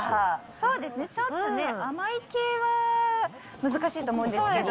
そうですね、ちょっとね、甘い系は難しいと思うんですけど。